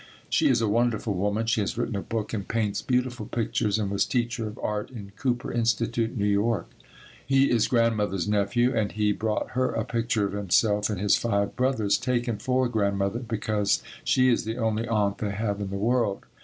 She is a wonderful woman. She has written a book and paints beautiful pictures and was teacher of art in Cooper Institute, New York. He is Grandmother's nephew and he brought her a picture of himself and his five brothers, taken for Grandmother, because she is the only aunt they have in the world.